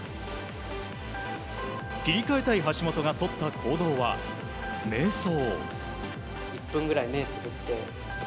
切り替えたい橋本がとった行動は瞑想。